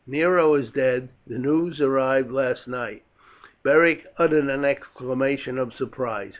Nero is dead. The news arrived last night." Beric uttered an exclamation of surprise.